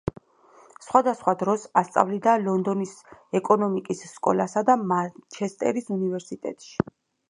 სხვადასხვა დროს ასწავლიდა ლონდონის ეკონომიკის სკოლასა და მანჩესტერის უნივერსიტეტში.